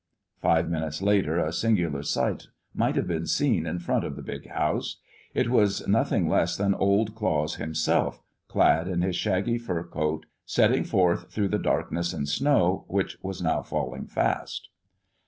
Five minutes later a singular sight might have been seen in front of the big house. It was nothing less than Old Claus himself, clad in his shaggy fur coat, setting forth through the darkness and snow, which was now falling fast.